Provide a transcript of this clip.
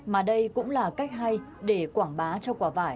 mà đây cũng là cách hay để quảng bá cho quả vải